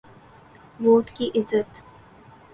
Vote کی عزت۔